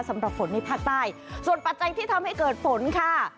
สำหรับฝนในภาคใต้ส่วนปัจจัยที่ทำให้เกิดฝนค่ะ